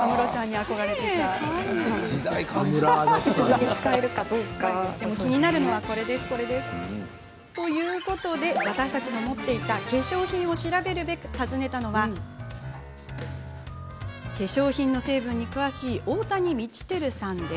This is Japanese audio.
とはいえやっぱり気になるのは。ということで私たちが持っていた化粧品を調べるべく、訪ねたのは化粧品の成分に詳しい大谷道輝さん。